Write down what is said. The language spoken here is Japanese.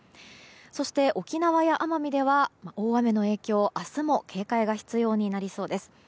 そして、沖縄や奄美では大雨の影響、明日も警戒が必要になりそうです。